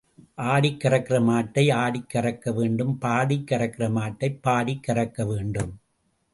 ஆடிக் கறக்கிற மாட்டை ஆடிக் கறக்க வேண்டும் பாடிக் கறக்கிற மாட்டைப் பாடிக் கறக்க வேண்டும்.